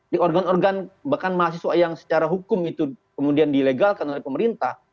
di organ organ bahkan mahasiswa yang secara hukum itu kemudian dilegalkan oleh pemerintah